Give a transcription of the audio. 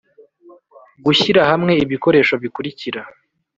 Gushyira hamwe ibikoresho bikurikira